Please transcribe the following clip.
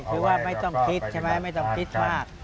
คือว่าไม่ต้องคิดใช่ไหมไม่ต้องคิดมาก